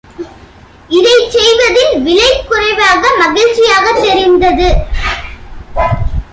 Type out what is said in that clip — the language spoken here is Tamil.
இதைச் செய்வதில் விலை குறைவாக மகிழ்ச்சியாகத் தெரிந்தது.